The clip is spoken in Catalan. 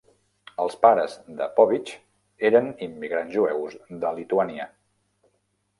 Els pares de Povich eren immigrants jueus de Lituània.